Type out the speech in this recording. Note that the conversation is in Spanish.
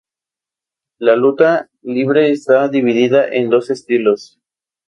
La luta livre está dividida en dos estilos.